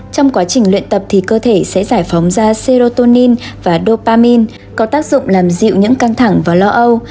trong quá trình luyện tập thì cơ thể sẽ giải phóng ra seorotonin và dopamin có tác dụng làm dịu những căng thẳng và lo âu